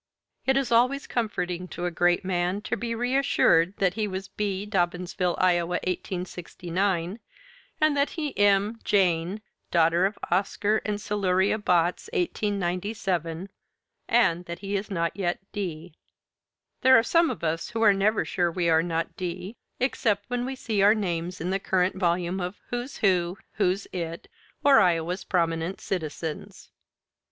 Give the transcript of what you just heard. It is always comforting to a great man to be reassured that he was "b. Dobbinsville, Ia., 1869," that he "m. Jane, dau. of Oscar and Siluria Botts, 1897," and that he is not yet "d." There are some of us who are never sure we are not "d." except when we see our names in the current volume of "Who's Who," "Who's It," or "Iowa's Prominent Citizens."